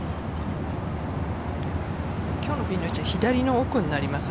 今日のピンの位置は左の奥になります。